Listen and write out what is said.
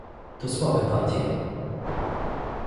To słabe partie